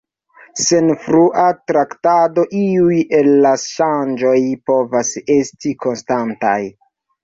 Sen frua traktado iuj el la ŝanĝoj povas esti konstantaj.